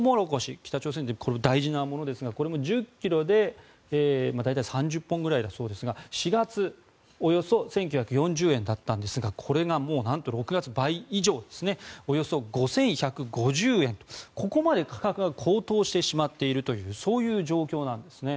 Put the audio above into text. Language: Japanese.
北朝鮮で大事なものですがこれも１０ｋｇで大体３０本ぐらいだそうですが４月はおよそ１９４０円だったんですがこれが何と、６月に倍以上およそ５１５０円、ここまで価格が高騰してしまっているそういう状況なんです。